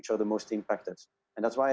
dan terutama keluarga dewasa